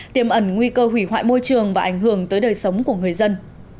tiềm ẩn nguy cơ hủy hoại môi trường và ảnh hưởng tới đời sống của người dân